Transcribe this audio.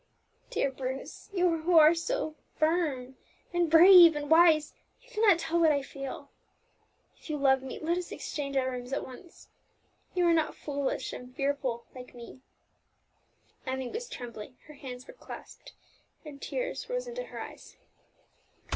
Dear Bruce, you who are so firm, and brave, and wise, you cannot tell what I feel. If you love me, let us exchange our rooms at once; you are not fearful and foolish like me." Emmie was trembling; her hands were clasped, and tears rose into her eyes.